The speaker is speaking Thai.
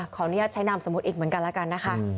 ของอนุญาตใช้นามสมมติอีกเหมือนกัน